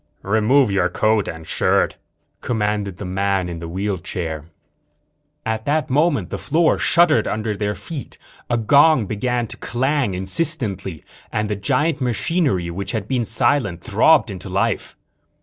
"Remove your coat and shirt," commanded the man in the wheelchair. At that moment the floor shuddered under their feet, a gong began to clang insistently, and the giant machinery, which had been silent, throbbed into life.